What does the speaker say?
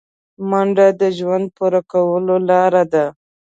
منډه د ژوند پوره کولو لاره ده